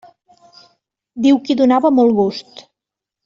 Diu que hi donava molt gust.